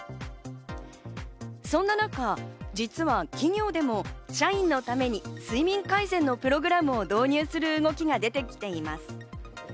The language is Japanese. そんな中、実は企業でも、社員のために睡眠改善のプログラムを導入する動きが出てきています。